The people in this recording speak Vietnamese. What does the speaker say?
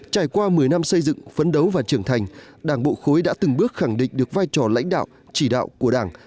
trải qua một mươi năm xây dựng phấn đấu và trưởng thành đảng bộ khối đã từng bước khẳng định được vai trò lãnh đạo chỉ đạo của đảng